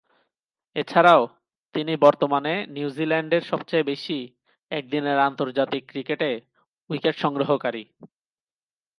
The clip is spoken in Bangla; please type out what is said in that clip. এছাড়াও তিনি বর্তমানে নিউজিল্যান্ডের সবচেয়ে বেশি একদিনের আন্তর্জাতিক ক্রিকেটে উইকেট সংগ্রহকারী।